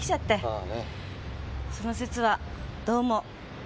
その節はどうも。